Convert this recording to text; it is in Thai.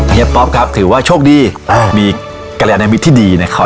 เฮียป๊อบกลับถือว่าโชคดีเออมีกระแหลนแอมบิทที่ดีนะครับ